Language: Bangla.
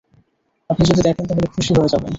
আপনি যদি দেখেন তাহলে খুশি হয়ে যাবেন।